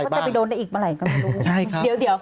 แล้องั้นเราก็จะไปโดนได้อีกเมื่อไหร่ก็ไม่รู้